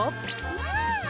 うん！